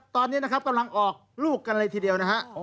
ตอนนี้กำลังออกลูกกันเลยทีเดียว